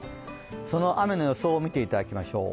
その雨の予想を見ていただきましょう。